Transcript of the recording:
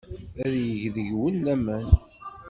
Ad yeg deg-wen laman.